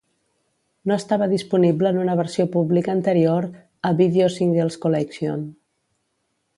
No estava disponible en una versió pública anterior a "Video Singles Collection".